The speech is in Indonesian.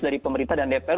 dari pemerintah dan dpr